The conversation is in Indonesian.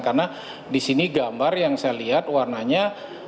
karena di sini gambar yang saya lihat warnanya